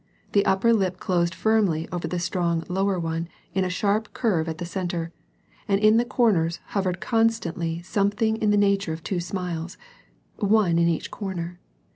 The upper lip closed firmly over the strong lower one in a sharp curve at the centre, and in the corners hovered constantly some thing in the nature of two smiles — one in each comer